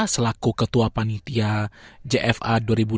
selaku ketua panitia jfa dua ribu dua puluh